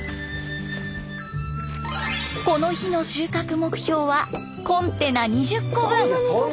この日の収穫目標はコンテナ２０個分。